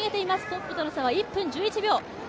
トップとの差は１分１１秒。